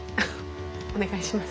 お願いします。